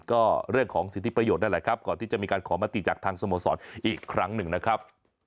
ก็เรื่องของสิทธิประโยชน์นั่นแหละครับก่อนที่จะมีการขอมติจากทางสโมสรอีกครั้งหนึ่งนะครับ